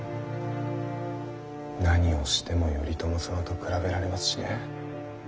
何をしても頼朝様と比べられますしね。